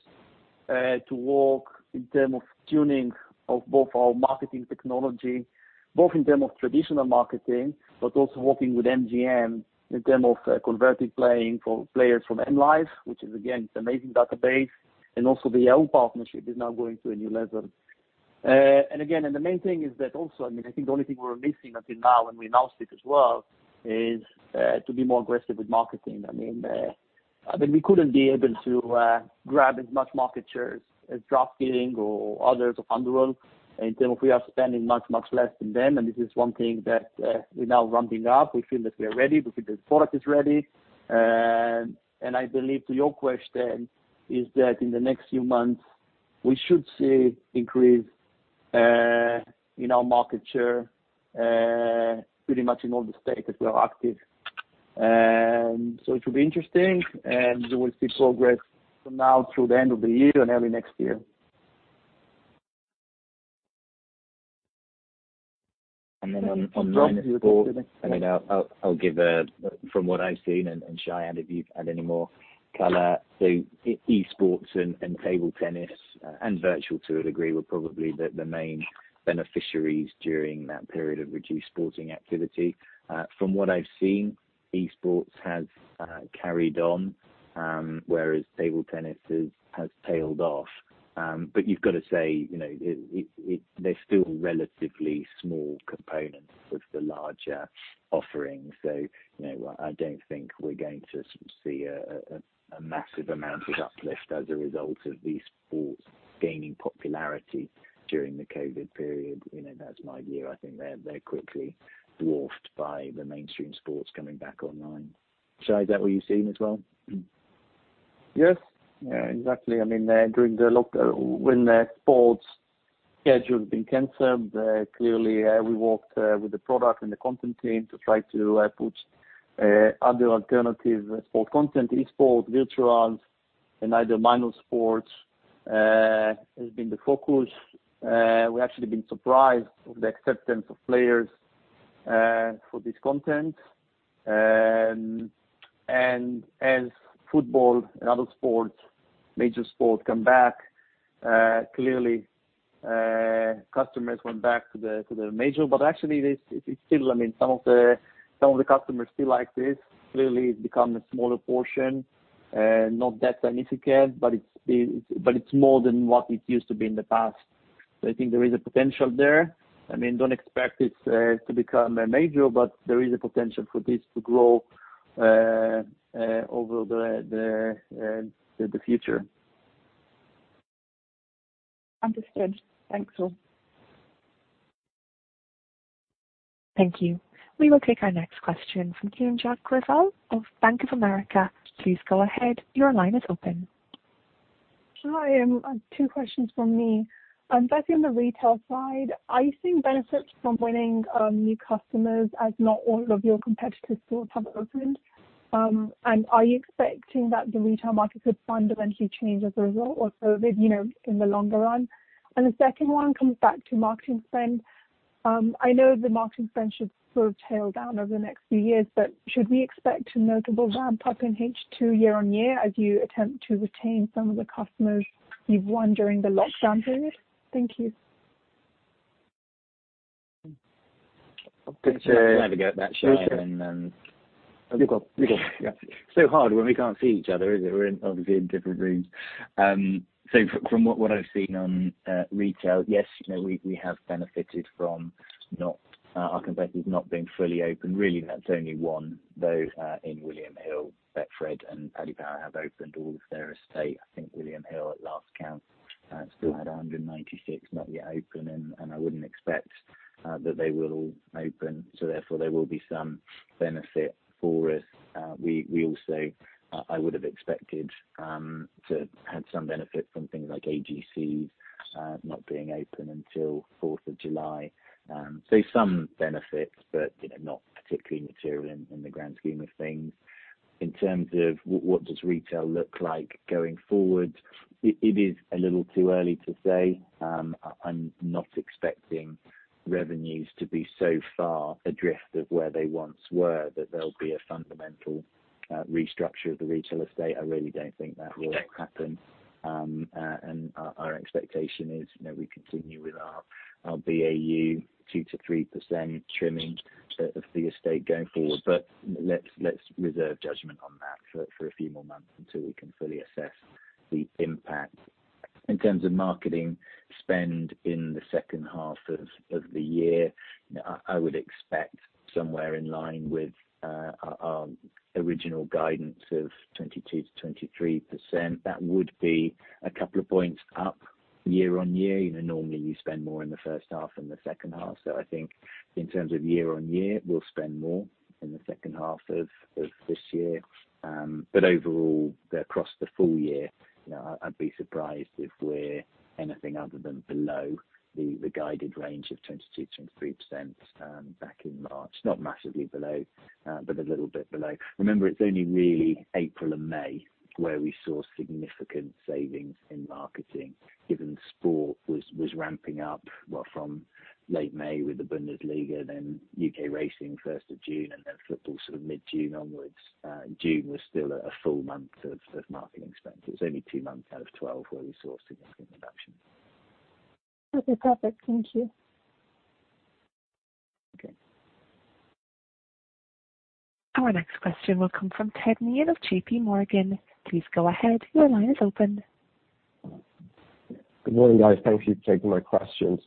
to work in terms of tuning of both our marketing technology, both in terms of traditional marketing but also working with MGM in terms of converting playing for players from M life, which is again, it's an amazing database. And also the Yahoo partnership is now going to a new level. The main thing is that also, I mean, I think the only thing we were missing until now, and we announced it as well, is to be more aggressive with marketing. I mean, I mean, we couldn't be able to grab as much market shares as DraftKings or others or FanDuel in terms of we are spending much, much less than them. This is one thing that we're now ramping up. We feel that we are ready. We feel that the product is ready. I believe the answer to your question is that in the next few months, we should see increase in our market share pretty much in all the states that we are active. It will be interesting, and we will see progress from now through the end of the year and early next year. And then on that. And then from your perspective. I mean, I'll give a view from what I've seen, and Shay and I, if we've had any more color. So esports and table tennis, and virtuals to a degree were probably the main beneficiaries during that period of reduced sporting activity. From what I've seen, esports has carried on, whereas table tennis has tailed off. But you've got to say, you know, they're still relatively small components of the larger offering. So, you know, I don't think we're going to see a massive amount of uplift as a result of these sports gaining popularity during the COVID period. You know, that's my view. I think they're quickly dwarfed by the mainstream sports coming back online. Shay, is that what you've seen as well? Yes. Yeah. Exactly. I mean, during the lockdown, when sports schedule has been canceled, clearly, we worked with the product and the content team to try to put other alternative sport content, esports, virtuals, and other minor sports. This has been the focus. We actually have been surprised of the acceptance of players for this content. And as football and other major sports come back, clearly, customers went back to the major. But actually, it's still, I mean, some of the customers still like this. Clearly, it's become a smaller portion, not that significant, but it's more than what it used to be in the past. So I think there is a potential there. I mean, don't expect it to become a major, but there is a potential for this to grow over the future. Understood. Thanks, Rob. Thank you. We will take our next question from Kim Jacobs of Bank of America. Please go ahead. Your line is open. Shay, two questions from me. Both on the retail side, are you seeing benefits from winning new customers as not all of your competitors' stores have opened? And are you expecting that the retail market could fundamentally change as a result of COVID, you know, in the longer run? And the second one comes back to marketing spend. I know the marketing spend should sort of tail down over the next few years, but should we expect a notable ramp up in H2 year on year as you attempt to retain some of the customers you've won during the lockdown period? Thank you. I'll take a share. I'll just navigate that, Shay, and then. You're good. You're good. Yeah. It's so hard when we can't see each other, is it? We're in obviously in different rooms. So from what I've seen on retail, yes, you know, we have benefited from our competitors not being fully open. Really, that's only one, though, in William Hill. Betfred and Paddy Power have opened all of their estate. I think William Hill, at last count, still had 196 not yet open, and I wouldn't expect that they will all open. So therefore, there will be some benefit for us. We also, I would have expected, to have some benefit from things like AGC not being open until 4th of July. So some benefits, but you know, not particularly material in the grand scheme of things. In terms of what does retail look like going forward, it is a little too early to say. I'm not expecting revenues to be so far adrift of where they once were that there'll be a fundamental restructure of the retail estate. I really don't think that will happen. Okay. Our expectation is, you know, we continue with our BAU 2%-3% trimming of the estate going forward. But let's reserve judgment on that for a few more months until we can fully assess the impact. In terms of marketing spend in the second half of the year, I would expect somewhere in line with our original guidance of 22%-23%. That would be a couple of points up year on year. You know, normally you spend more in the first half than the second half. So I think in terms of year on year, we'll spend more in the second half of this year. Overall, across the full year, you know, I'd be surprised if we're anything other than below the guided range of 22%-23%, back in March. Not massively below, but a little bit below. Remember, it's only really April and May where we saw significant savings in marketing given sport was ramping up, well, from late May with the Bundesliga, then U.K. racing 1st of June, and then football sort of mid-June onwards. June was still a full month of marketing spend. So it's only two months out of 12 where we saw significant reductions. That'd be perfect. Thank you. Okay. Our next question will come from Ted Wu of J.P. Morgan. Please go ahead. Your line is open. Good morning, guys. Thank you for taking my questions.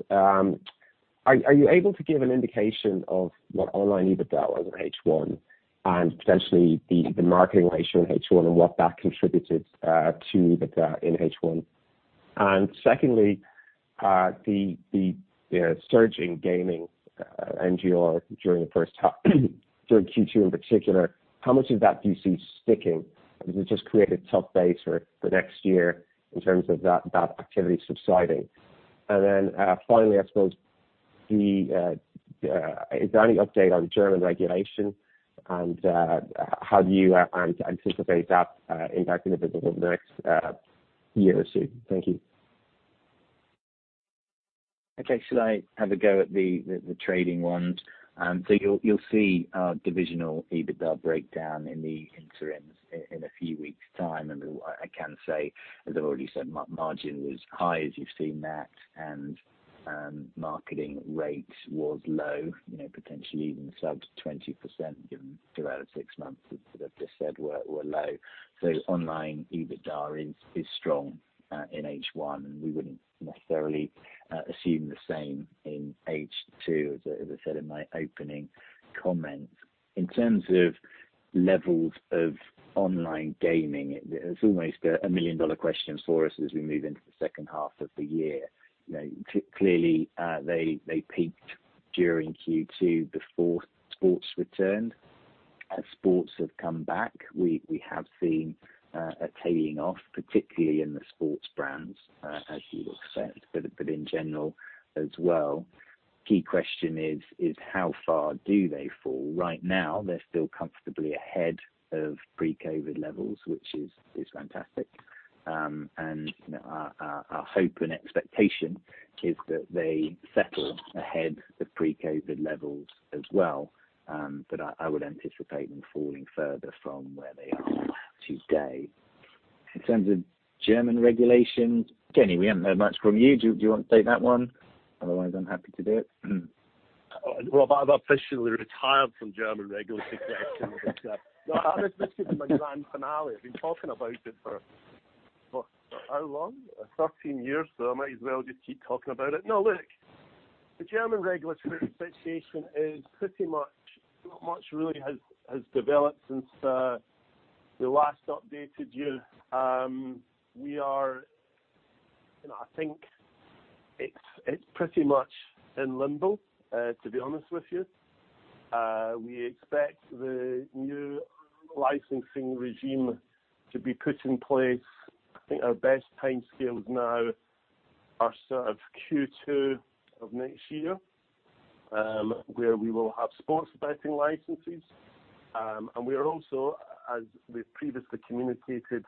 Are you able to give an indication of what online EBITDA was in H1 and potentially the marketing ratio in H1 and what that contributed to EBITDA in H1? And secondly, the surge in gaming NGR during the first half, during Q2 in particular, how much of that do you see sticking? Does it just create a tough base for the next year in terms of that activity subsiding? And then, finally, I suppose, is there any update on German regulation? And how do you anticipate that impacting the business over the next year or two? Thank you. Okay. Should I have a go at the trading ones, so you'll see our divisional betting breakdown in the interims in a few weeks' time, and I can say, as I've already said, margin was high as you've seen that, and marketing rate was low, you know, potentially even sub-20% given over six months as I've just said were low. So online betting is strong in H1, and we wouldn't necessarily assume the same in H2, as I said in my opening comments. In terms of levels of online gaming, it's almost a million-dollar question for us as we move into the second half of the year. You know, clearly, they peaked during Q2 before sports returned. Sports have come back. We have seen a tailing off, particularly in the sports brands, as you'd expect, but in general as well. Key question is how far do they fall? Right now, they're still comfortably ahead of pre-COVID levels, which is fantastic, and you know, our hope and expectation is that they settle ahead of pre-COVID levels as well, but I would anticipate them falling further from where they are today. In terms of German regulations, Kenny, we haven't heard much from you. Do you want to take that one? Otherwise, I'm happy to do it. Rob, I've officially retired from German regulatory questions, except, no, I'm just giving my grand finale. I've been talking about it for how long? 13 years, so I might as well just keep talking about it. No, look, the German regulatory situation is pretty much not much really has developed since the last updated year. We are, you know, I think it's pretty much in limbo, to be honest with you. We expect the new licensing regime to be put in place. I think our best timescales now are sort of Q2 of next year, where we will have sports betting licenses. And we are also, as we've previously communicated,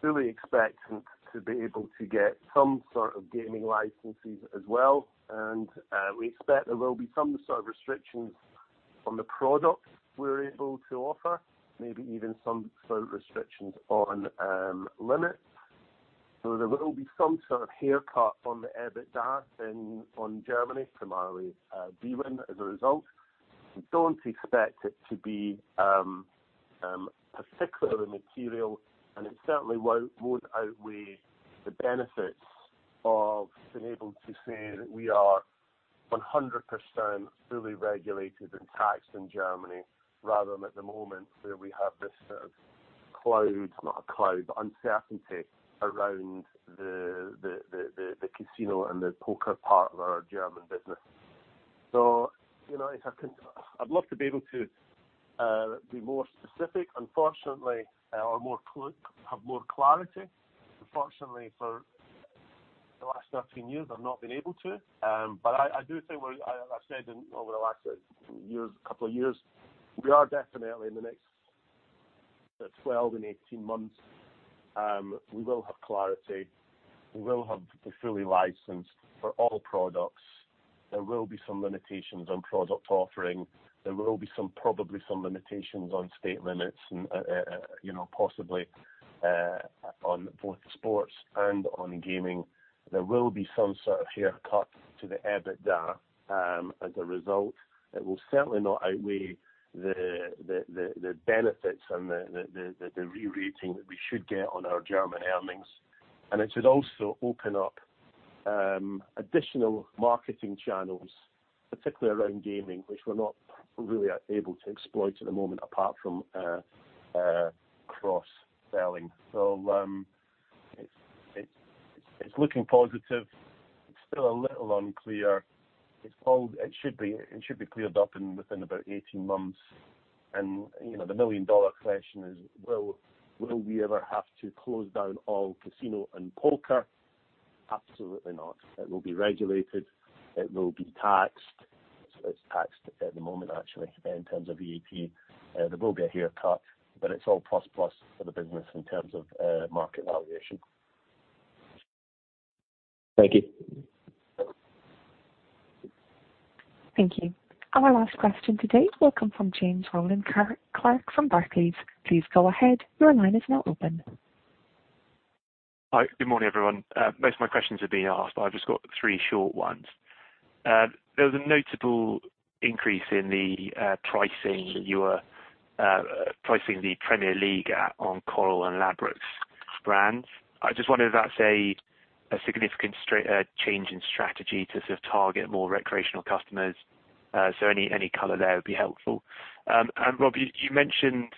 fully expectant to be able to get some sort of gaming licenses as well. We expect there will be some sort of restrictions on the products we're able to offer, maybe even some sort of restrictions on limits. There will be some sort of haircut on the EBITDA in Germany from our current as a result. We don't expect it to be particularly material, and it certainly won't outweigh the benefits of being able to say that we are 100% fully regulated and taxed in Germany rather than at the moment where we have this sort of cloud, not a cloud, but uncertainty, around the casino and the poker part of our German business. You know, if I could, I'd love to be able to be more specific, unfortunately, or have more clarity. Unfortunately, for the last 13 years, I've not been able to. But I do think we're. I've said over the last couple of years, we are definitely in the next 12 and 18 months, we will have clarity. We will have a fully licensed for all products. There will be some limitations on product offering. There will be probably some limitations on stake limits and, you know, possibly, on both sports and on gaming. There will be some sort of haircut to the EBITDA, as a result. It will certainly not outweigh the benefits and the re-rating that we should get on our German earnings. And it should also open up additional marketing channels, particularly around gaming, which we're not really able to exploit at the moment apart from cross-selling. So, it's looking positive. It's still a little unclear. It's all it should be cleared up within about 18 months, and you know, the million-dollar question is, will we ever have to close down all casino and poker? Absolutely not. It will be regulated. It will be taxed. It's taxed at the moment, actually, in terms of VAT. There will be a haircut, but it's all plus-plus for the business in terms of market valuation. Thank you. Thank you. Our last question today will come from James Rowland-Clark from Barclays. Please go ahead. Your line is now open. Hi. Good morning, everyone. Most of my questions are being asked, but I've just got three short ones. There was a notable increase in the pricing that you were pricing the Premier League at on Coral and Ladbrokes brands. I just wondered if that's a significant strategic change in strategy to sort of target more recreational customers. So any color there would be helpful. And Rob, you mentioned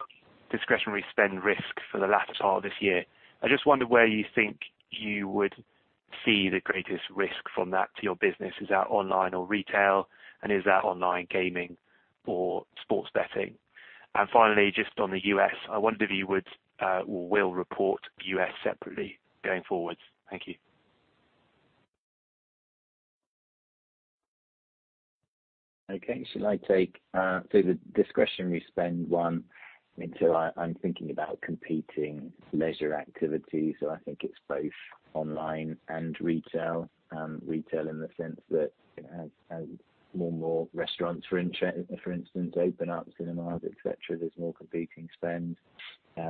discretionary spend risk for the latter part of this year. I just wonder where you think you would see the greatest risk from that to your business. Is that online or retail, and is that online gaming or sports betting? And finally, just on the U.S., I wondered if you would or will report U.S. separately going forwards. Thank you. Okay. So I'd take so the discretionary spend one until I'm thinking about competing leisure activities. So I think it's both online and retail, retail in the sense that as more and more restaurants, for instance, open up, cinemas, etc., there's more competing spend.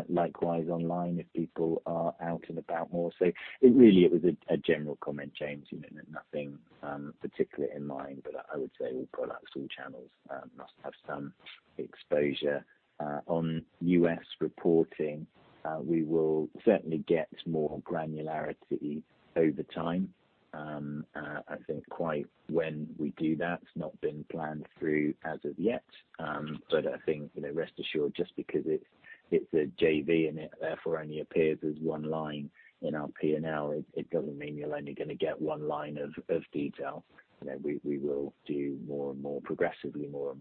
Likewise online if people are out and about more. So it really was a general comment, James, you know, nothing particularly in mind, but I would say all products, all channels, must have some exposure. On U.S. reporting, we will certainly get more granularity over time. I think quite when we do that's not been planned through as of yet. But I think, you know, rest assured, just because it's a JV and it therefore only appears as one line in our P&L, it doesn't mean you're only gonna get one line of detail. You know, we will do more and more progressively more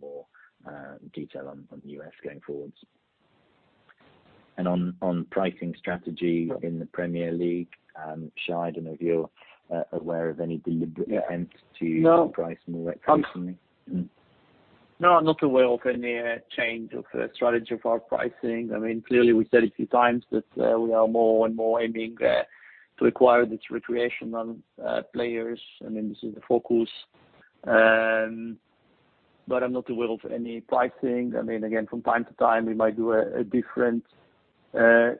detail on the US going forward. On pricing strategy in the Premier League, Shay, I don't know if you're aware of any deliberate attempts to. No. Price more recreationally? No, I'm not aware of any change of strategy of our pricing. I mean, clearly, we said a few times that we are more and more aiming to acquire this recreational players. I mean, this is the focus. But I'm not aware of any pricing. I mean, again, from time to time, we might do a different ad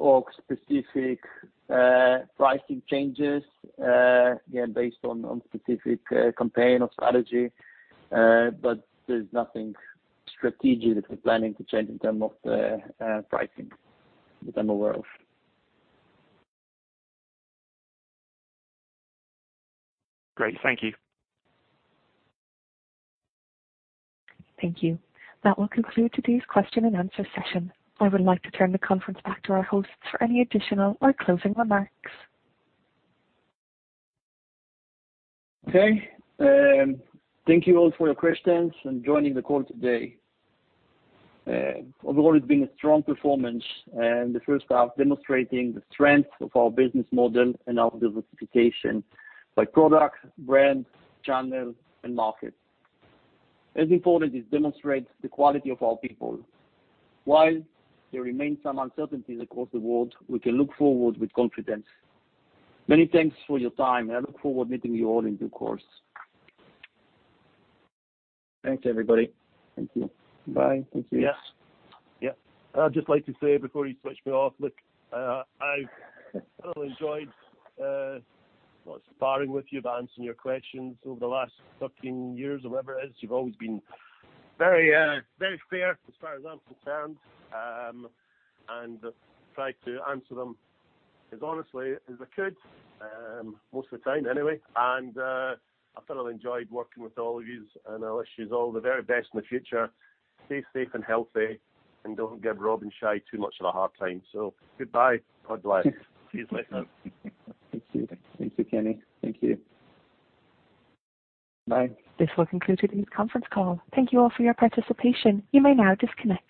hoc specific pricing changes, again, based on specific campaign or strategy. But there's nothing strategic that we're planning to change in terms of the pricing that I'm aware of. Great. Thank you. Thank you. That will conclude today's question and answer session. I would like to turn the conference back to our hosts for any additional or closing remarks. Okay. Thank you all for your questions and joining the call today. Overall, it's been a strong performance, and the first half demonstrating the strength of our business model and our diversification by product, brand, channel, and market. As important as demonstrating the quality of our people. While there remain some uncertainties across the world, we can look forward with confidence. Many thanks for your time, and I look forward to meeting you all in due course. Thanks, everybody. Thank you. Bye. Thank you. Yes. Yes. I'd just like to say before you switch me off, look, I've really enjoyed, well, sparring with you about answering your questions over the last fucking years or whatever it is. You've always been very, very fair as far as I'm concerned, and tried to answer them as honestly as I could, most of the time anyway. I've thoroughly enjoyed working with all of you, and I wish you all the very best in the future. Stay safe and healthy, and don't give Rob and Shay too much of a hard time. So goodbye. God bless. Cheers. Cheers, my friend. Thank you. Thank you, Kenny. Thank you. Bye. This will conclude today's conference call. Thank you all for your participation. You may now disconnect.